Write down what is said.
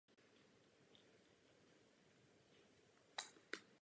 Celková šířka hradby byla asi pět metrů.